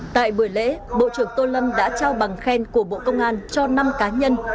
tại buổi lễ bộ trưởng tô lâm đã trao bằng khen của bộ công an cho năm cá nhân